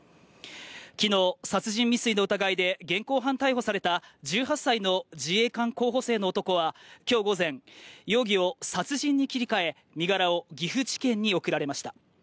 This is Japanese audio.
昨日、殺人未遂の疑いで現行犯逮捕された１８歳の自衛官候補生の男は今日午前、容疑を殺人に切り替え、身柄を岐阜地検に送られました。